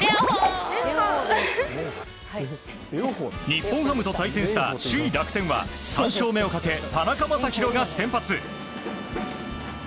日本ハムと対戦した首位、楽天は３勝目をかけ、田中将大が先発。